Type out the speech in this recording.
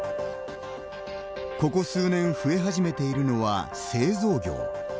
ここ数年増え始めているのは製造業。